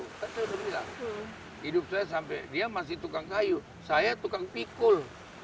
saya bilang hidup saya sampai dia masih tukang kayu saya tukang pikul